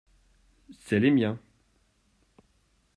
C’est les miens.